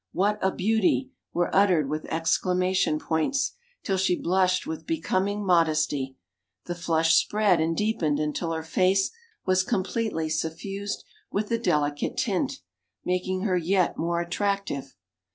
"What a beauty!" were uttered with exclamation points, till she blushed with becoming modesty the flush spread and deepened until her face was completely suffused with the delicate tint, making her yet more attractive.